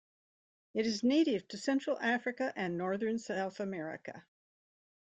It is native to central Africa and northern South America.